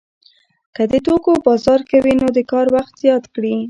که د توکو بازار ښه وي نو د کار وخت زیات کړي